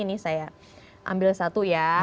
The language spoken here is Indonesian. ini saya ambil satu ya